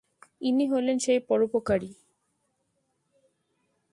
ইনি হলেন সেই পরোপকারী।